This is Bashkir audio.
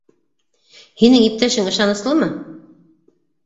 Һинең иптәшең ышаныслымы?